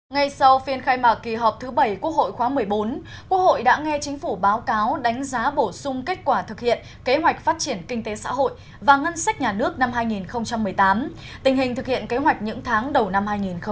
ngay sau phiên khai mạc kỳ họp thứ bảy quốc hội khóa một mươi bốn quốc hội đã nghe chính phủ báo cáo đánh giá bổ sung kết quả thực hiện kế hoạch phát triển kinh tế xã hội và ngân sách nhà nước năm hai nghìn một mươi tám tình hình thực hiện kế hoạch những tháng đầu năm hai nghìn một mươi chín